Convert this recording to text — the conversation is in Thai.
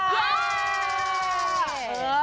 เย้